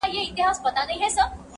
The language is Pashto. سبا اختر دی موري زه نوې بګړۍ نه لرم -